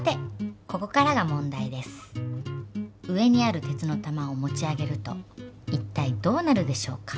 上にある鉄の玉を持ち上げると一体どうなるでしょうか？